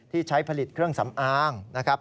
ใช้ผลิตเครื่องสำอางนะครับ